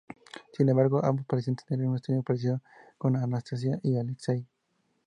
Sin embargo, ambos parecían tener un extraño parecido con Anastasia y Alexei.